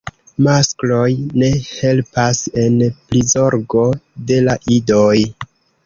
Maskloj ne helpas en prizorgo de la idoj.